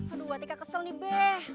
aduh wati kak kesel nih be